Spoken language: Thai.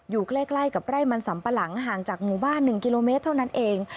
อยู่ใกล้กับไร่มันสัมปะหลังห่างจากหมู่บ้าน๑กิโลเมตรเท่านั้นเอง